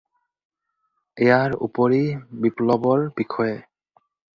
ইয়াৰ উপৰি বিপ্লৱৰ বিষয়ে